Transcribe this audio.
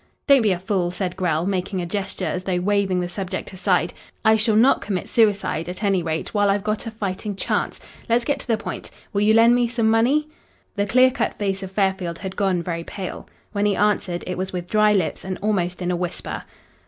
"Don't be a fool," said Grell, making a gesture as though waving the subject aside. "I shall not commit suicide at any rate, while I've got a fighting chance. Let's get to the point. Will you lend me some money?" The clear cut face of Fairfield had gone very pale. When he answered it was with dry lips and almost in a whisper.